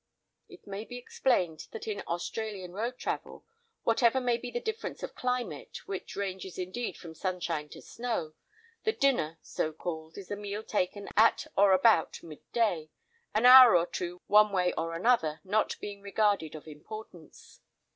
It may be explained that in Australian road travel, whatever may be the difference of climate, which ranges indeed from sunshine to snow, the "dinner" so called, is the meal taken at or about mid day—an hour or two, one way or another, not being regarded of importance.